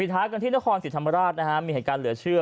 ปิดท้ายกันที่นครสิทธิ์ธรรมราชมีเหตุการณ์เหลือเชื่อ